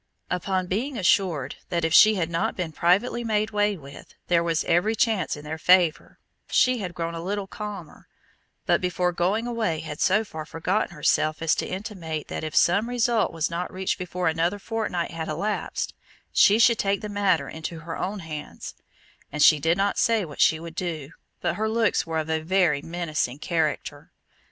Upon being assured that if she had not been privately made way with, there was every chance in their favor, she had grown a little calmer, but before going away had so far forgotten herself as to intimate that if some result was not reached before another fortnight had elapsed, she should take the matter into her own hands and She did not say what she would do, but her looks were of a very menacing character.